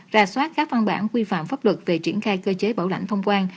ra soát các văn bản quy phạm pháp luật về triển khai cơ chế bảo lãnh thông quan